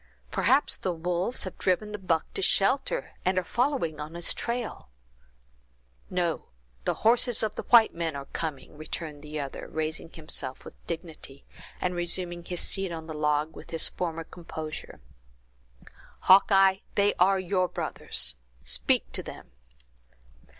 "Perhaps the wolves have driven the buck to shelter, and are following on his trail." "No. The horses of white men are coming!" returned the other, raising himself with dignity, and resuming his seat on the log with his former composure. "Hawkeye, they are your brothers; speak to them."